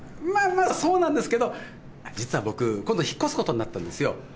まぁまぁそうなんですけど実は僕今度引っ越すことになったんですよ。